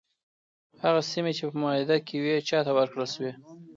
هغه سیمي چي په معاهده کي وي چاته ورکړل شوې؟